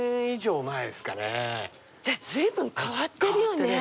じゃあずいぶん変わってるよね。